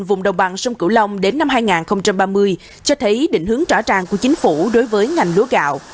vùng đồng bằng sông cửu long đến năm hai nghìn ba mươi cho thấy định hướng rõ ràng của chính phủ đối với ngành lúa gạo